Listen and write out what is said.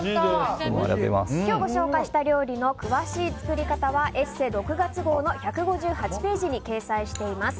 今日ご紹介した料理の詳しい作り方は「ＥＳＳＥ」６月号の１５８ページに掲載しています。